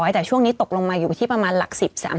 แต่ช่วงนี้ตกลงมาอยู่ที่ประมาณหลัก๑๐๓๐